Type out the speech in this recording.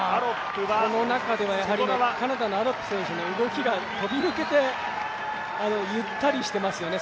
この中ではカナダのアロップ選手の動きが飛び抜けてゆったりしてますよね。